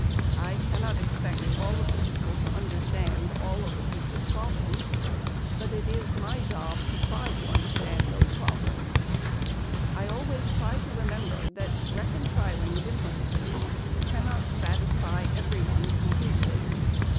I cannot expect all of the people to understand all of the people's problems; but it is my job to try to those problems. I always try to remember that reconciling differences cannot satisfy everyone completely.